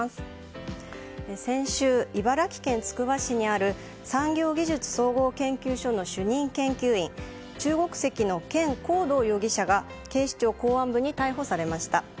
先週、茨城県つくば市にある産業技術総合研究所の主任研究員中国籍のケン・コウドウ容疑者が警視庁公安部に逮捕されました。